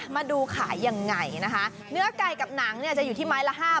มาดูขายยังไงนะคะเนื้อไก่กับหนังจะหูที่ไม้ละ